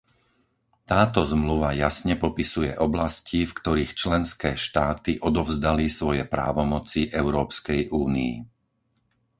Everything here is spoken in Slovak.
Táto Zmluva jasne popisuje oblasti, v ktorých členské štáty odovzdali svoje právomoci Európskej únii;